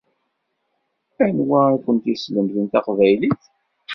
Anwa i kent-yeslemden taqbaylit?